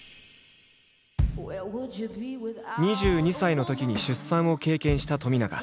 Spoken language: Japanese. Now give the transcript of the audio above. ２２歳のときに出産を経験した冨永。